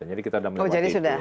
jadi kita udah melepati itu